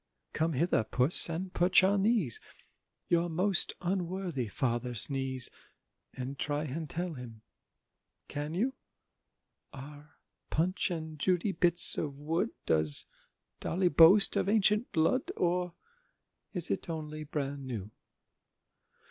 Come hither, Puss, and perch on these Your most unworthy Father's knees, And try and tell him—Can you? Are Punch and Judy bits of wood? Does Dolly boast of ancient blood, Or is it only "bran new"?